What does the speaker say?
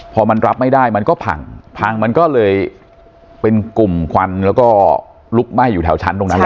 พอมันรับไม่ได้มันก็พังพังมันก็เลยเป็นกลุ่มควันแล้วก็ลุกไหม้อยู่แถวชั้นตรงนั้นเลย